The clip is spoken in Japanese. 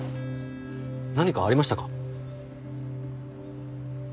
何かありましたか？